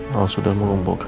pa sudah mengumpulkan bukti